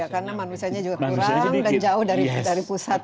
karena manusianya juga kurang dan jauh dari pusat